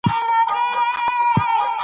هغه د خزانې لټون کوي.